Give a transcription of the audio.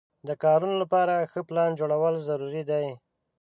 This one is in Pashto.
د کارونو لپاره ښه پلان جوړول ضروري دي.